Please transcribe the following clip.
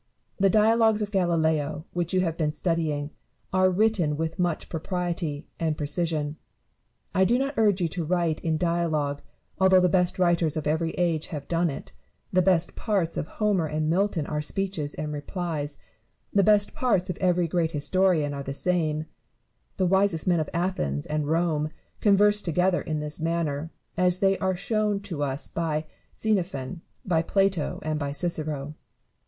The dialogues of Galileo, which you have been studying, are written with much propriety and precision. I do not urge you to write in dialogue, although the best writers of every age have done it; the best parts of Homer and Milton are speeches and replies ; the best parts of every great historian are the same : the wisest men of Athens and of Rome converse together in this manner, as they are shown to us by Xenophon, by Plato, and by Cicero.